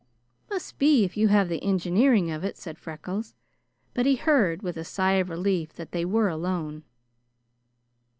"Must be if you have the engineering of it," said Freckles. But he heard, with a sigh of relief, that they were alone.